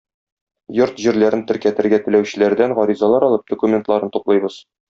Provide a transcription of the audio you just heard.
Йорт-җирләрен теркәтергә теләүчеләрдән гаризалар алып, документларын туплыйбыз.